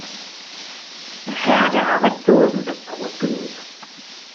Das Heer der Arbeitslosen ist groß genug.